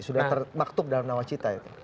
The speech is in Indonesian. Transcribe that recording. sudah termaktub dalam nawacita itu